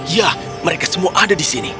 ya mereka semua ada di sini